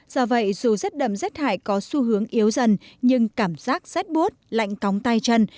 do vậy dù rét đậm rét hại có xu hướng yếu dần nhưng cảm giác rét bút lạnh cóng tay chân